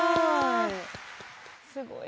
すごい。